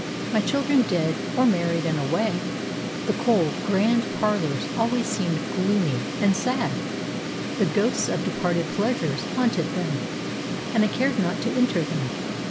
My children dead, or married and away, the cold, grand parlors always seemed gloomy and sad; the ghosts of departed pleasures haunted them, and I cared not to enter them.